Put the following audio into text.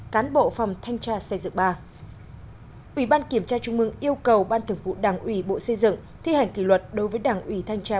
cán bộ phòng thanh tra xây dựng ba